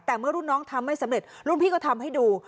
แต่เมื่อรุ่นน้องทำไม่สำเร็จรุ่นพี่ก็ทำให้ดู